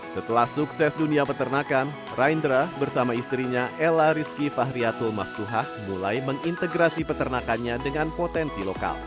setelah sukses dunia peternakan raindra bersama istrinya ella rizky fahriatul maftuhah mulai mengintegrasi peternakannya dengan potensi lokal